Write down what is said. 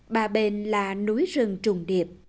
bà bền là núi rừng trùng